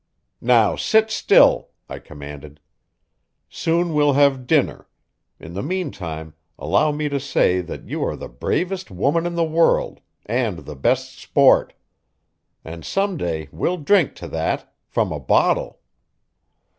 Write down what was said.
"Now sit still," I commanded. "Soon we'll have dinner; in the mean time allow me to say that you are the bravest woman in the world, and the best sport. And some day we'll drink to that from a bottle."